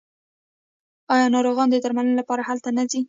آیا ناروغان د درملنې لپاره هلته نه ځي؟